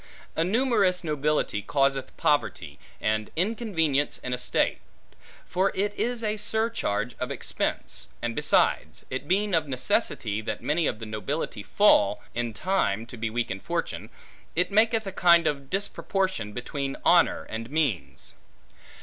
A numerous nobility causeth poverty, and inconvenience in a state; for it is a surcharge of expense; and besides, it being of necessity, that many of the nobility fall, in time, to be weak in fortune, it maketh a kind of disproportion, between honor and means.